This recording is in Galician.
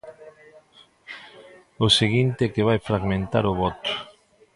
O seguinte é que vai fragmentar o voto.